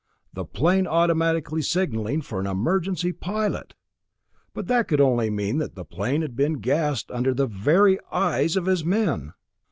The plane automatically signaling for an emergency pilot! That could only mean that the plane had been gassed under the very eyes of his men!